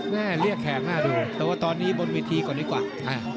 แม่เรียกแขกน่าดูแต่ว่าตอนนี้บนเวทีก่อนดีกว่า